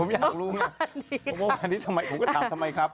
เมื่อวานนี้ค่ะผมก็ถามทำไมครับ